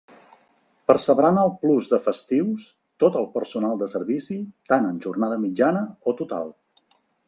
Percebran el plus de festius tot el personal de servici tant en jornada mitjana o total.